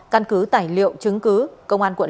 căn cứ tài liệu chứng cứ công an quận